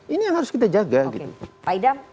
ini yang harus kita jaga gitu pak idam